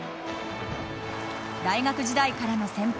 大学時代からの先輩